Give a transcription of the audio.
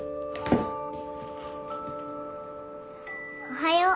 おはよう。